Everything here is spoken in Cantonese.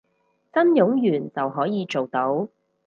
真冗員就可以做到